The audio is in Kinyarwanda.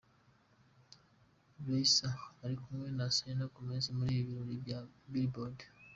Raisa ari kumwe na Selena Gomez muri ibi birori bya BillBoard.